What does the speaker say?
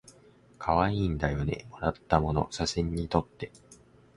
かわいいんだよねもらったもの写真にとって